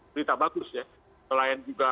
berita bagus selain juga